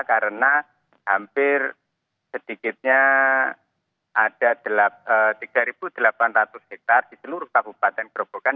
karena hampir sedikitnya ada tiga delapan ratus hektare di seluruh kabupaten gerobokan